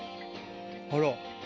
あら。